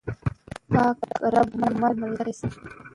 پاک رب مو مل او ملګری شه.